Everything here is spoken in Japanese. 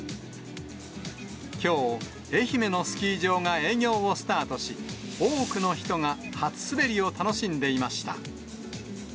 きょう、愛媛のスキー場が営業をスタートし、多くの人が初滑りを楽しんでいました。